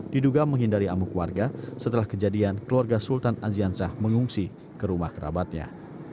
diduga menghindari amuk warga setelah kejadian keluarga sultan aziansah mengungsi ke rumah kerabatnya